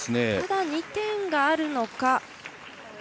ただ２点があるのか。